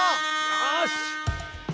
よし！